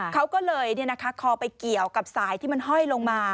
เขาก็เลยคอไปเกี่ยวกับสายที่มันห้อยลงมา